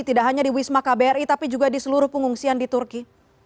tidak hanya di wisma kbri tapi juga di seluruh pengungsian di turki